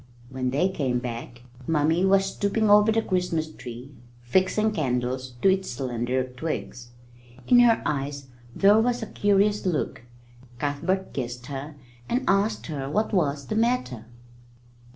When they came back Mummy was stooping over the Christmas tree, fixing candles to its slender twigs. In her eyes there was a curious look. Cuthbert kissed her and asked her what was the matter.